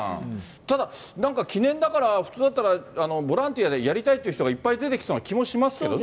ただ、なんか記念だから、普通だったら、ボランティアでやりたいっていう人がいっぱい出てきそうな気もしますけどね。